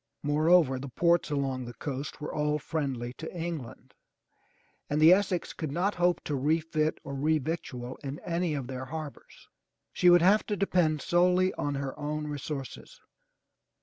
Moreover the ports along the coast were all friendly to England, and the Essex could not hope to refit or re victual in any of their harbors. She would have to depend solely on her own resources.